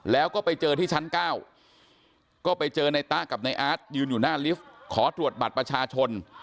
แล้วก็ไปเจอที่ชั้น๙ก็ไปเจอในตะกับในอาร์ตยืนอยู่หน้าลิฟต์ขอตรวจบัตรประชาชน